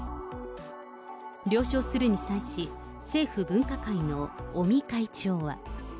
了承するに際し、政府分科会の尾身会長は。